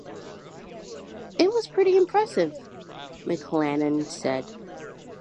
"It was pretty impressive," McClanahan said.